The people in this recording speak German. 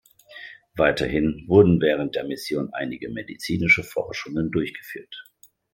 Weiterhin wurden während der Mission einige medizinische Forschungen durchgeführt.